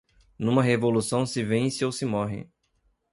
numa revolução se vence ou se morre